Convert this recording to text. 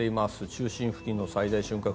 中心付近の最大瞬間